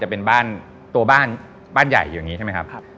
จะเป็นบ้านตัวบ้านใหญ่อยู่อย่างนี้ใช่ไหมครับ